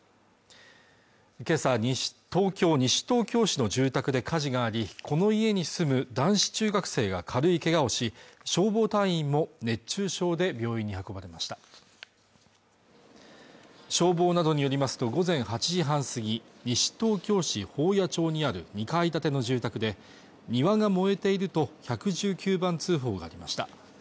今朝、西東京市の住宅で火事がありこの家に住む男子中学生が軽いけがをし消防隊員も熱中症で病院に運ばれました消防などによりますと午前８時半過ぎ西東京市保谷町にある２階建ての住宅で庭が燃えていると１１９番通報がありました